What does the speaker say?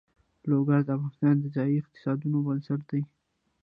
لوگر د افغانستان د ځایي اقتصادونو بنسټ دی.